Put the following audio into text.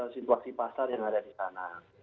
situasi pasar yang ada di sana